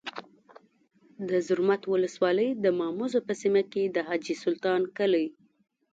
د زرمت ولسوالۍ د ماموزو په سیمه کي د حاجي سلطان کلی